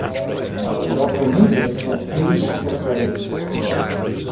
Adult flamingos have few natural predators.